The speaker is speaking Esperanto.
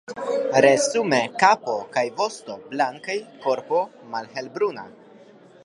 Resume kapo kaj vosto blankaj, korpo malhelbruna.